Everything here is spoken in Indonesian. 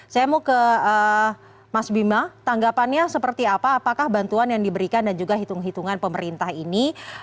saya mau ke mas bima tanggapannya seperti apa apakah bantuan yang diberikan dan juga hitung hitungan pemerintah ini